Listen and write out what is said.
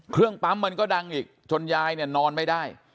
เครื่องปั๊มมันก็ดังอีกจนยายเนี่ยนอนไม่ได้